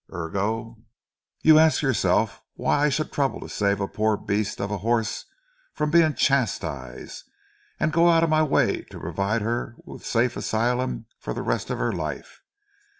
Ergo, you ask yourself why should I trouble to save a poor beast of a horse from being chastised, and go out of my way to provide her with a safe asylum for the rest of her life?